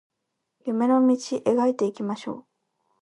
夢の中道描いていきましょう